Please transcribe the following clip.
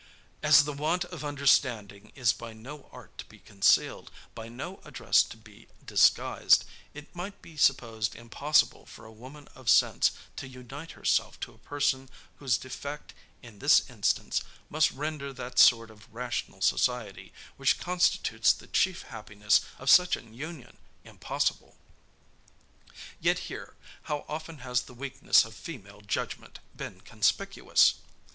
"As the want of understanding is by no art to be concealed, by no address to be disguised, it might be supposed impossible for a woman of sense to unite herself to a person whose defect, in this instance, must render that sort of rational society, which constitutes the chief happiness of such an union, impossible. Yet here, how often has the weakness of female judgment been conspicuous!